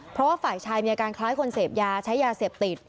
เพราะว่าฝ่ายชายมีอาการคล้ายคนเสพยาใช้ยาเสพติด